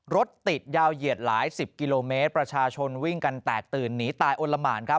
รถติดยาวเหยียดหลายสิบกิโลเมตรประชาชนวิ่งกันแตกตื่นหนีตายอลละหมานครับ